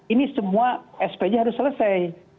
ini semua spj harus selesai